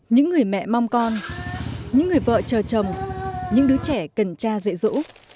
những người mẹ mong con những người vợ chờ chồng những đứa trẻ cần cha dễ dũ